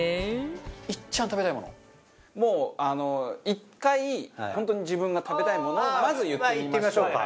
もう１回本当に自分が食べたいものをまず言ってみましょうか。